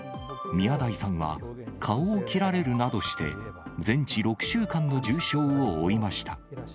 宮台さんは顔を切られるなどして、全治６週間の重傷を負いました。